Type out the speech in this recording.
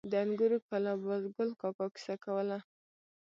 د انګورو کلا بازګل کاکا کیسه کوله.